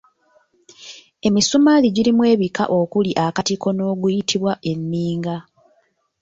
Emisumaali girimu ebika okuli akatiko n'oguyitibwa enninga.